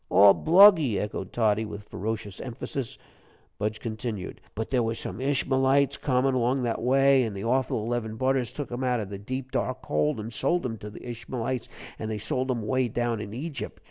"All bluggy," echoed Toddy, with ferocious emphasis. Budge continued: "But there were some Ishmalites comin' along that way, and the awful eleven budders took him out of the deep, dark hole, an' sold him to the Ishmalites, and they sold him away down in Egypt.